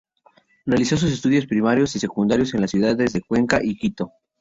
Realizó sus estudios primarios y secundarios en las ciudades de Cuenca y Quito.